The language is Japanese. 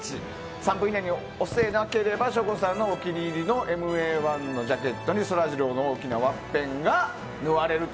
３分以内に押せなければ省吾さんのお気に入りのＭＡ‐１のジャケットにそらジローの大きなワッペンが縫われると。